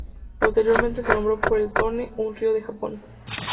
Posteriormente se nombró por el Tone, un río de Japón.